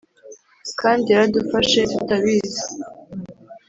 kandi yaradufashe tutabizi!